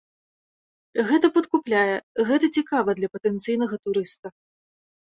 Гэта падкупляе, гэта цікава для патэнцыйнага турыста.